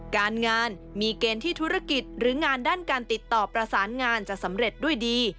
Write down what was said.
การงานมีเกณฑ์ที่ธุรกิจหรืองานด้านการติดต่อประสานงานจะสำเร็จด้วยดี